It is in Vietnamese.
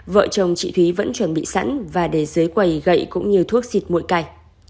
vợ chồng chị thúy vẫn chuẩn bị sẵn và để dưới quầy gậy cũng như thuốc xịt mụi cài